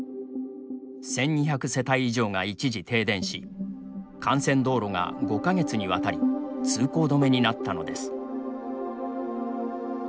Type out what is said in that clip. １２００世帯以上が一時停電し幹線道路が５か月にわたり通行止めになったのです。